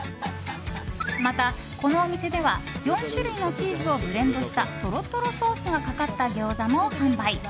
また、このお店では４種類のチーズをブレンドしたトロトロソースがかかった餃子も販売。